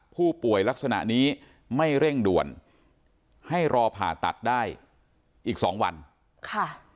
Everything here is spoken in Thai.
ผู้ป่วยลักษณะนี้ไม่เร่งด่วนให้รอผ่าตัดได้อีกสองวันค่ะ